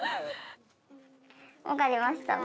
わかりました。